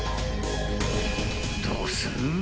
［どうする？